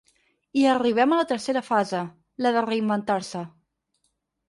I arribem a la tercera fase, la de reinventar-se.